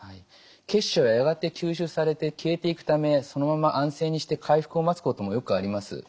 血腫はやがて吸収されて消えていくためそのまま安静にして回復を待つこともよくあります。